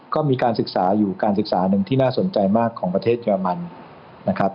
ก็มีการศึกษาอยู่การศึกษาหนึ่งที่น่าสนใจมากของประเทศเยอรมันนะครับ